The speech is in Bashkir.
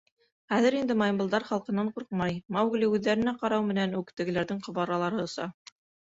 Хәҙер инде Маймылдар халҡынан ҡурҡмай, Маугли үҙҙәренә ҡарау менән үк тегеләрҙең ҡобаралары оса.